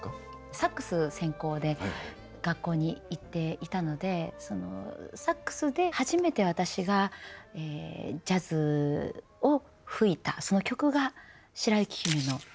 サックス専攻で学校に行っていたのでサックスで初めて私がジャズを吹いたその曲が「白雪姫」の「いつか王子様が」で。